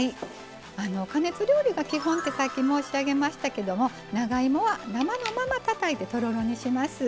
加熱料理が基本ってさっき申し上げましたけども、長芋は生のままたたいてとろろにします。